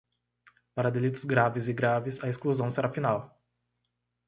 Para delitos graves e graves, a exclusão será final.